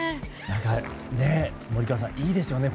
何か、森川さんいいですよね。